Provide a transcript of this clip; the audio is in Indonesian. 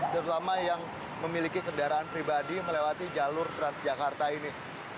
terutama yang memiliki kendaraan pribadi melewati jalur transjakarta ini